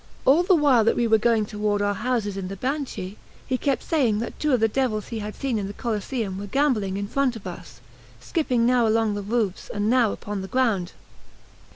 All the while that we were going toward our houses in the Banchi, he kept saying that two of the devils he had seen in the Coliseum were gamboling in front of us, skipping now along the roofs and now upon the ground.